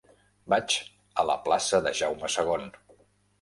Vaig a la plaça de Jaume II.